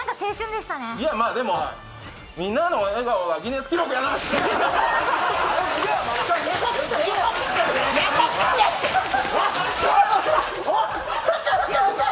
でも、みんなの笑顔がギネス記録やな！